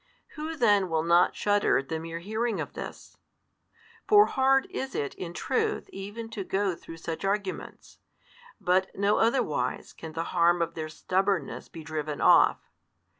Who then will not shudder at the mere hearing of this? For hard is it in truth even to go through such arguments, but no otherwise can the harm of their stubbornness be driven off.